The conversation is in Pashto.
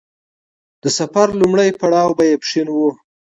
د سفر لومړی پړاو به يې پښين و.